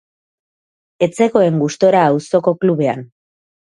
Ez zegoen gustura auzoko klubean.